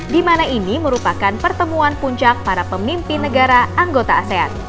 di mana ini merupakan pertemuan puncak para pemimpin negara anggota asean